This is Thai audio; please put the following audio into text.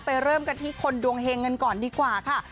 เริ่มกันที่คนดวงเฮงกันก่อนดีกว่าค่ะ